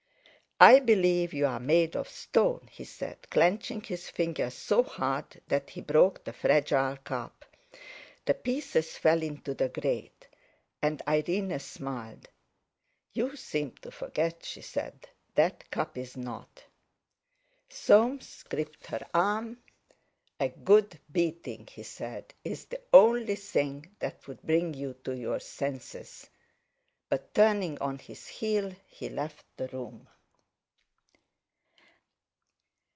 "I believe you are made of stone," he said, clenching his fingers so hard that he broke the fragile cup. The pieces fell into the grate. And Irene smiled. "You seem to forget," she said, "that cup is not!" Soames gripped her arm. "A good beating," he said, "is the only thing that would bring you to your senses," but turning on his heel, he left the room.